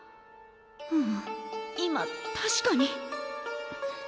ううん今確かに。